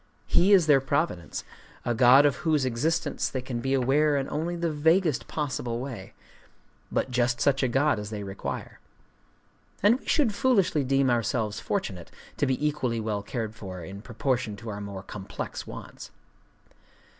He is their providence,—a god of whose existence they can be aware in only the vaguest possible way, but just such a god as they require. And we should foolishly deem ourselves fortunate to be equally well cared for in proportion to our more complex wants.